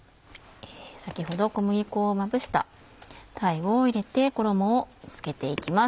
先ほど小麦粉をまぶした鯛を入れて衣を付けて行きます。